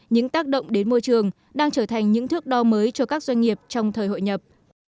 những tác động đến môi trường đang trở thành những thước đo mới cho các doanh nghiệp trong thời hội nhập